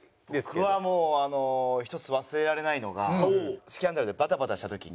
僕は一つ忘れられないのがスキャンダルでバタバタした時に。